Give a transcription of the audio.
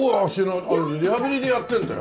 脚のリハビリでやってんだよ。